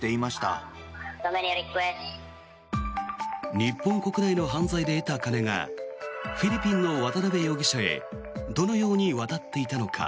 日本国内の犯罪で得た金がフィリピンの渡邉容疑者へどのように渡っていたのか。